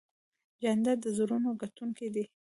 جانداد د زړونو ګټونکی دی.